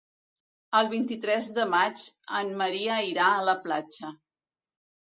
El vint-i-tres de maig en Maria irà a la platja.